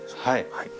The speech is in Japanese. はい。